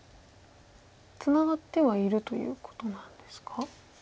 ツナがってはいるということなんですか？